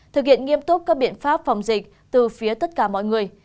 thực hiện nghiêm túc các biện pháp phòng dịch từ phía tất cả mọi người